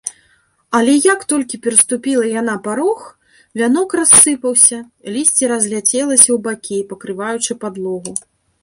Але як толькі пераступіла яна парог, вянок рассыпаўся, лісце разляцелася ў бакі, пакрываючы падлогу.